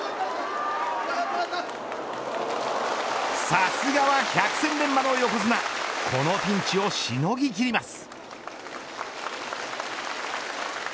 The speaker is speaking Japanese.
さすがは百戦錬磨の横綱このピンチをしのぎ切ります。